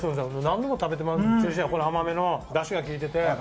何度も食べてまうこの甘めのダシが利いてて。